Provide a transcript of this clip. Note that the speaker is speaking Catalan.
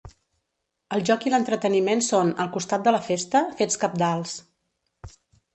El joc i l’entreteniment són, al costat de la festa, fets cabdals.